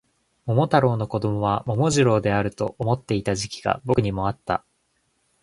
桃太郎の子供は桃次郎であると思っていた時期が僕にもあった